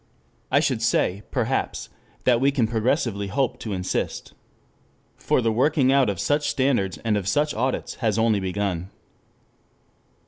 I should say, perhaps, that we can progressively hope to insist. For the working out of such standards and of such audits has only begun.